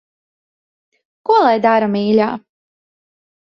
Ko lai dara, mīļā.